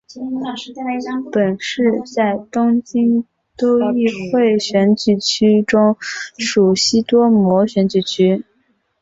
本市在东京都议会选举区中属西多摩选举区。